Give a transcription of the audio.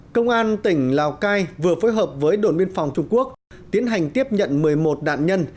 công an tỉnh lào cai vừa phối hợp với đồn biên phòng trung quốc tiến hành tiếp nhận một mươi một nạn nhân